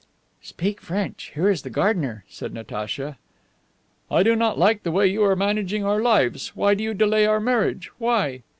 "Speak French; here is the gardener," said Natacha. "I do not like the way you are managing our lives. Why do you delay our marriage? Why?"